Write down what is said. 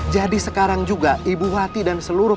jadi sekarang juga ibu hati dan seluruh